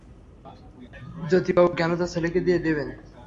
জ্যোতিবাবু কেন তাঁর ছেলেকে দিয়ে দেবেন?